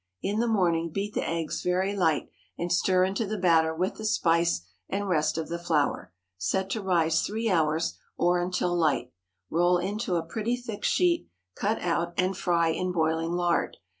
In the morning beat the eggs very light, and stir into the batter with the spice and rest of the flour. Set to rise three hours, or until light; roll into a pretty thick sheet, cut out, and fry in boiling lard.